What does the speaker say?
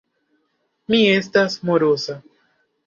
Mi estas moroza.